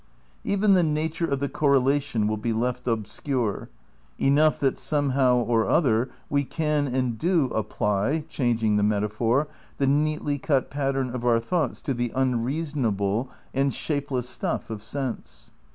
Even the nature of the correlation will be left obscure. Enough that somehow or other we can and do apply (changing the metaphor) the neatly cut pattern of our thoughts to the unreasonable and shapeless stuff of sense.